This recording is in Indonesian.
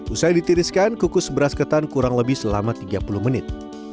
usai ditiriskan kukus beras ketan kurang lebih selama tiga puluh menit